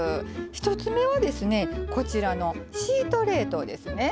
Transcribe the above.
１つ目はですねこちらのシート冷凍ですね。